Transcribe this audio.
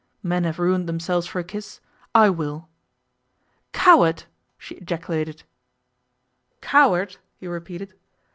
Men have ruined themselves for a kiss. I will.' 'Coward!' she ejaculated. 'Coward!' he repeated.